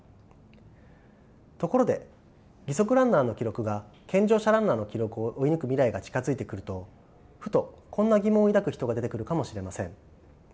ところで義足ランナーの記録が健常者ランナーの記録を追い抜く未来が近づいてくるとふとこんな疑問を抱く人が出てくるかもしれません。